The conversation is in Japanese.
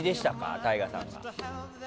ＴＡＩＧＡさんが。